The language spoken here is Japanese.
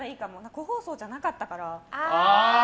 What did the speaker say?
個包装じゃなかったから。